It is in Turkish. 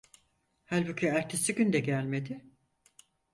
Halbuki ertesi gün de gelmedi.